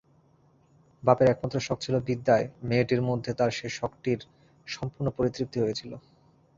বাপের একমাত্র শখ ছিল বিদ্যায়, মেয়েটির মধ্যে তাঁর সেই শখটির সম্পূর্ণ পরিতৃপ্তি হয়েছিল।